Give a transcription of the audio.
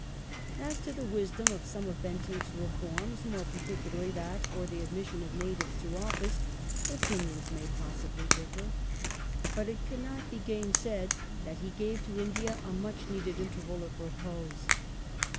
As to the wisdom of some of Bentinck's reforms — more particu Lord larlj that for the admission of natives to office — opinions ^^J f^^Q}^^'^^ possibly differ ; but it cannot be gainsaid that he gave to India a much needed interval of repose.